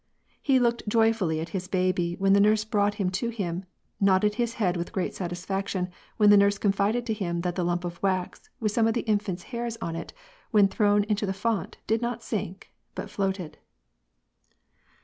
He looked joyfully at his baby when the nurse brought him to him, nodded his head with great satis faction when the nurse confided to him that the lump of wax with some of the infant's hairs on it, when thrown into the font did not sink, but floated.